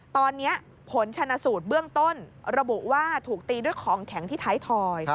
ตอนนี้ผลชนสูตรเบื้องต้นระบุว่าถูกตีด้วยของแข็งที่ท้ายถอย